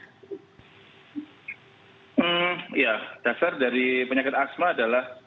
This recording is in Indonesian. ya dasar dari penyakit asma adalah